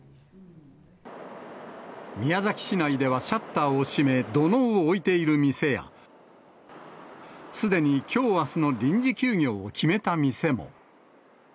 宮崎市内では、シャッターを閉め、土のうを置いている店や、すでにきょう、あすの臨時休業を決めた店も。